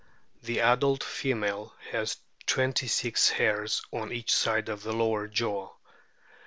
The adult female has twenty six hairs on each side of the lower jaw.